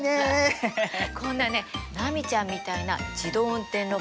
こんなね波ちゃんみたいな自動運転ロボット